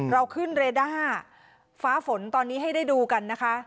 เราขึ้นเรด้าฟ้าฝนตอนนี้ให้ได้ดูกันนะคะ